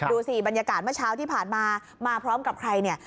ดูสิบรรยากาศเมื่อเช้าที่ผ่านมามาพร้อมกับใครเนี่ย